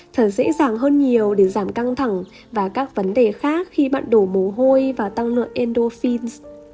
thở dễ dàng hơn nhiều để giảm căng thẳng và các vấn đề khác khi bạn đổ mồ hôi và tăng lượng endofins